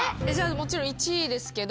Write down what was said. もちろん１位ですけど。